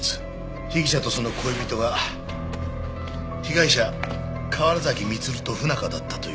被疑者とその恋人が被害者河原崎満と不仲だったという供述。